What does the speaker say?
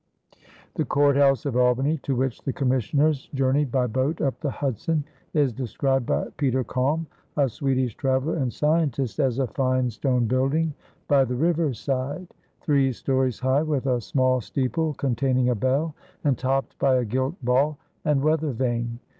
The court house of Albany to which the commissioners journeyed by boat up the Hudson, is described by Peter Kalm, a Swedish traveler and scientist, as a fine stone building by the riverside, three stories high with a small steeple containing a bell, and topped by a gilt ball and weather vane.